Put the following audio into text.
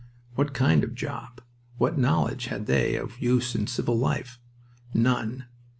What kind of job? What knowledge had they of use in civil life? None.